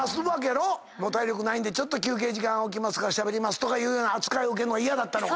もう体力ないんでちょっと休憩時間置くからしゃべりますとかいうような扱い受けるのが嫌だったのか。